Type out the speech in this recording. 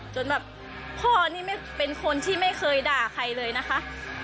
จนแบบพ่อนี่ไม่เป็นคนที่ไม่เคยด่าใครเลยนะคะ